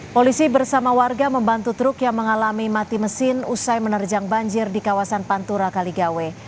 polisi bersama warga membantu truk yang mengalami mati mesin usai menerjang banjir di kawasan pantura kaligawe